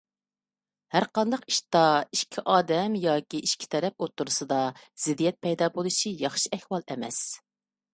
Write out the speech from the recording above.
ھەرقانداق ئىشتا ئىككى ئادەم ياكى ئىككى تەرەپ ئوتتۇرىسىدا زىددىيەت پەيدا بولۇشى ياخشى ئەھۋال ئەمەس.